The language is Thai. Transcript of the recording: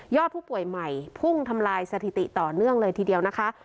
ผู้ป่วยใหม่พุ่งทำลายสถิติต่อเนื่องเลยทีเดียวนะคะ